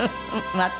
また。